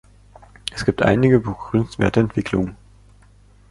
Es gibt einige begrüßenswerte Entwicklungen.